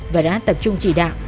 và đã tập trung chỉ đạo